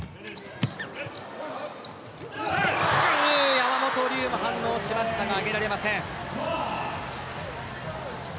山本龍が反応しましたが上げられません。